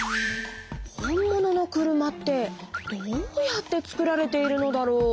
本物の車ってどうやって作られているのだろう？